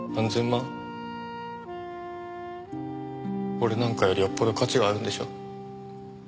俺なんかよりよっぽど価値があるんでしょ？